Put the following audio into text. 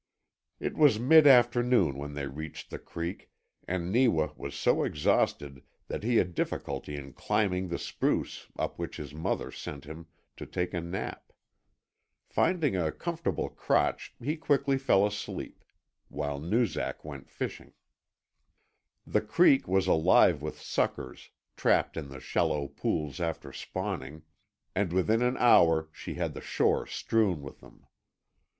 It was mid afternoon when they reached the creek, and Neewa was so exhausted that he had difficulty in climbing the spruce up which his mother sent him to take a nap. Finding a comfortable crotch he quickly fell asleep while Noozak went fishing. The creek was alive with suckers, trapped in the shallow pools after spawning, and within an hour she had the shore strewn with them.